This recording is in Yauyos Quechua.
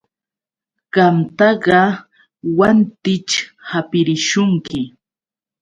Qamtaqa wantićh hapirishunki.